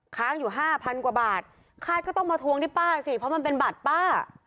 ค้างอยู่ห้าพันกว่าบาทคาดก็ต้องมาทวงที่ป้าสิเพราะมันเป็นบัตรป้า